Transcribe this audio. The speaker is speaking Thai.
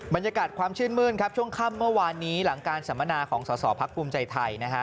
บรรยากาศความชื่นมื้นครับช่วงค่ำเมื่อวานนี้หลังการสัมมนาของสอสอพักภูมิใจไทยนะฮะ